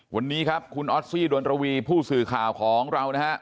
วันนี้ครับคุณออสซี่ดวนระวีผู้สื่อข่าวของเรานะฮะ